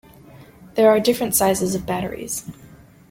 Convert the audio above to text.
There are different sizes of batteries.